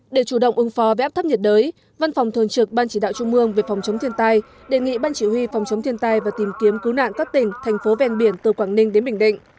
để chủ động ứng phó với áp thấp nhiệt đới văn phòng thường trực ban chỉ đạo trung mương về phòng chống thiên tai đề nghị ban chỉ huy phòng chống thiên tai và tìm kiếm cứu nạn các tỉnh thành phố ven biển từ quảng ninh đến bình định